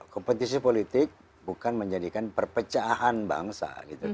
kompetisi politik bukan menjadikan perpecahan bangsa